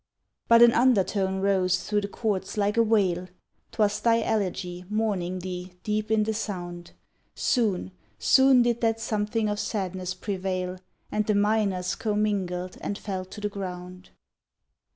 But an undertone rose thro' the chords like a wail, 'Twas thy elegy mourning thee deep in the sound, Soon, soon did that something of sadness prevail, And the minors commingled and fell to the ground.